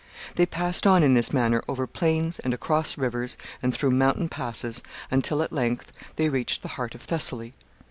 They passed on in this manner over plains, and across rivers, and through mountain passes, until at length they reached the heart of Thessaly.